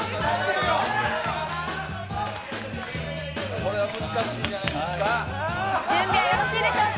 これは難しいんじゃないか。